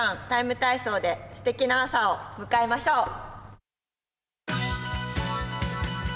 ＴＩＭＥ，体操」ですてきな朝を迎えましょう。